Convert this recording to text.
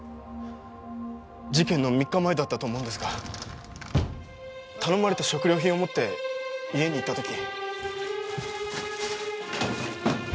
事件の３日前だったと思うんですが頼まれた食料品を持って家に行った時。